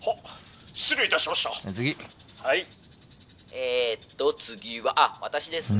えっと次はあっ私ですね。